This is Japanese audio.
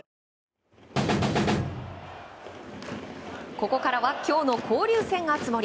ここからは今日の交流戦熱盛。